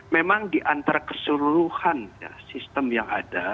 memang di antara keseluruhan sistem yang ada